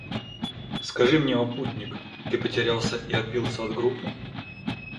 Скажи мне, о путник, ты потерялся и отбился от группы?